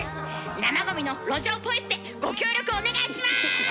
生ゴミの路上ポイ捨てご協力お願いします！